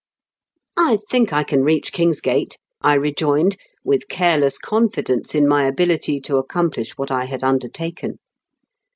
I think I can reach Kingsgate," I re joined, with careless confidence in my ability to accomplish what I had undertaken.